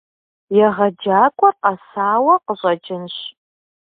ЕгъэджакӀуэр къэсауэ къыщӀэкӀынщ.